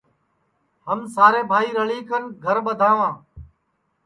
ہم سارے بھائی رَݪی کن گھرا ٻدھاواں